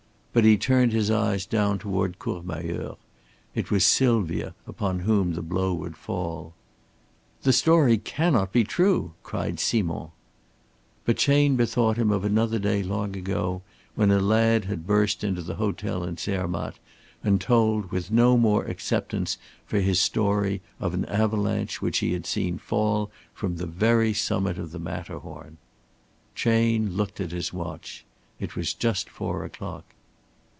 But he turned his eyes down toward Courmayeur. It was Sylvia upon whom the blow would fall. "The story cannot be true," cried Simond. But Chayne bethought him of another day long ago, when a lad had burst into the hotel at Zermatt and told with no more acceptance for his story of an avalanche which he had seen fall from the very summit of the Matterhorn. Chayne looked at his watch. It was just four o'clock.